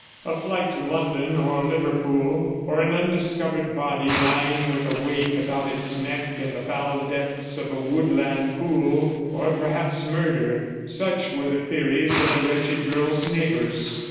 A flight to London or Liverpool, or an undiscovered body lying with a weight about its neck in the foul depths of a woodland pool, or perhaps murder — such were the theories of the wretched girl's neighbours.